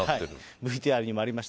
ＶＴＲにもありました。